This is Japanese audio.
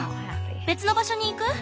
別の場所に行く？